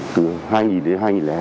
từ hai nghìn đến hai nghìn hai